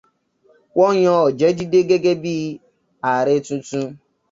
Wọ́n yan Ọ̀jẹ́dìran gẹ́gẹ́ bí àarẹ tuntun.